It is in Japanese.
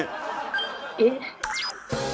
えっ？